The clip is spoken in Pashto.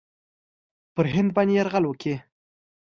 پر هند باندي یرغل وکړي.